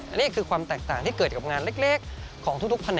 อันนี้คือความแตกต่างที่เกิดกับงานเล็กของทุกแผนก